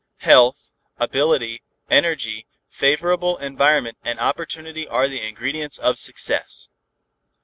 Health, ability, energy, favorable environment and opportunity are the ingredients of success.